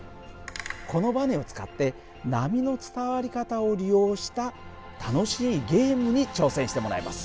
このばねを使って波の伝わり方を利用した楽しいゲームに挑戦してもらいます。